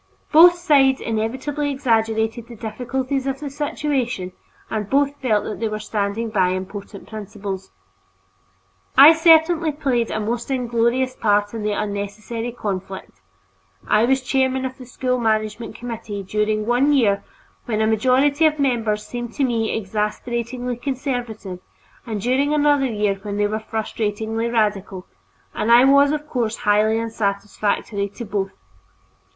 Both sides inevitably exaggerated the difficulties of the situation, and both felt that they were standing by important principles. I certainly played a most inglorious part in this unnecessary conflict; I was chairman of the School Management Committee during one year when a majority of the members seemed to me exasperatingly conservative, and during another year when they were frustratingly radical, and I was of course highly unsatisfactory to both.